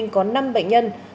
có năm bệnh nhân